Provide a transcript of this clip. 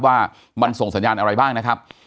ว่ามันส่งสัญญาณอะไรบ้างนะครับ